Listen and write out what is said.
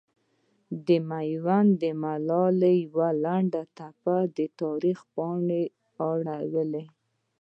د میوند د ملالې یوه لنډۍ د تاریخ پاڼه واړوله.